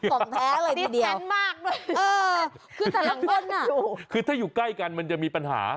ของแท้เลยทีเดียวเออคือแต่ละคนอ่ะคือถ้าอยู่ใกล้กันมันจะมีปัญหา